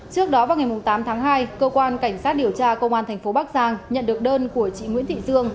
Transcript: trước đó vào ngày tám tháng hai cơ quan cảnh sát điều tra công an thành phố bắc giang nhận được đơn của chị nguyễn thị dương